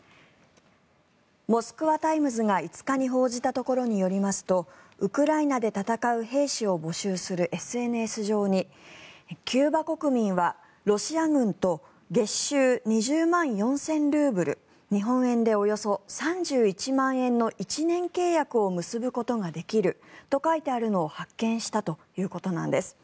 モスクワ・タイムズが５日に報じたところによりますとウクライナで戦う兵士を募集するＳＮＳ上にキューバ国民はロシア軍と月収２０万４０００ルーブル日本円でおよそ３１万円の１年契約を結ぶことができると書いてあるのを発見したということです。